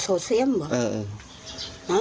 โซเซียมเหรอ